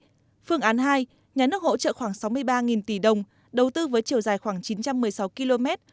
với ba phương án thực hiện phương án hai nhà nước hỗ trợ khoảng sáu mươi ba tỷ đồng đầu tư với chiều dài khoảng chín trăm một mươi sáu km